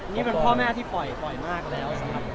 พี่แม่ที่ปล่อยปล่อยมากแล้ว